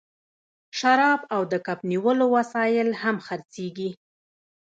شراب او د کب نیولو وسایل هم خرڅیږي